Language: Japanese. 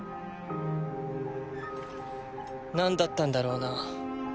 なんだったんだろうな。